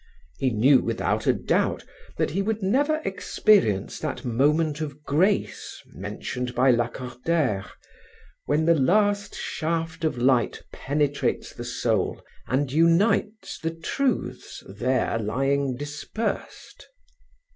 He knew without a doubt that he would never experience that moment of grace mentioned by Lacordaire, "when the last shaft of light penetrates the soul and unites the truths there lying dispersed."